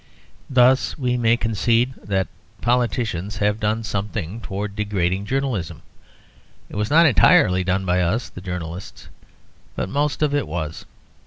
Thus we may concede that politicians have done something towards degrading journalism. It was not entirely done by us, the journalists. But most of it was.